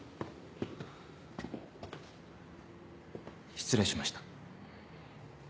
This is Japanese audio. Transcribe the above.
失礼しました。